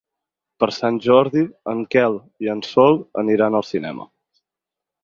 Per Sant Jordi en Quel i en Sol aniran al cinema.